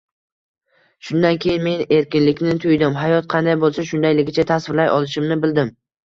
Shundan keyin men erkinlikni tuydim, hayot qanday bo‘lsa, shundayligicha tasvirlay olishimni bildim